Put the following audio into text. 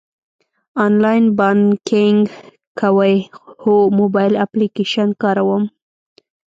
آنلاین بانکینګ کوئ؟ هو، موبایل اپلیکیشن کاروم